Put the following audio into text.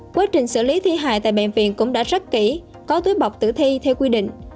quá trình xử lý thi hài tại bệnh viện cũng đã rất kỹ có túi bọc tử thi theo quy định